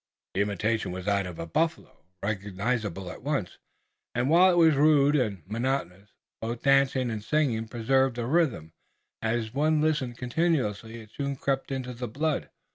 The imitation was that of a buffalo, recognizable at once, and, while it was rude and monotonous, both dancing and singing preserved a rhythm, and as one listened continuously it soon crept into the blood.